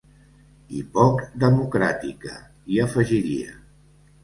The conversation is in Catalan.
I poc democràtica, hi afegiria.